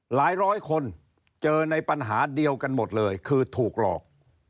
ร้อยคนเจอในปัญหาเดียวกันหมดเลยคือถูกหลอก